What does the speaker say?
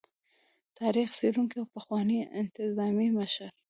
تاريخ څيړونکي او پخواني انتظامي مشر